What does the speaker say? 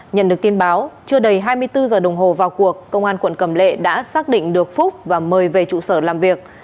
nhận được tin báo chưa đầy hai mươi bốn giờ đồng hồ vào cuộc công an quận cầm lệ đã xác định được phúc và mời về trụ sở làm việc